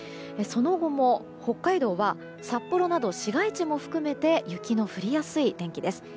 その後も北海道は札幌など市街地も含めて雪の降りやすい天気です。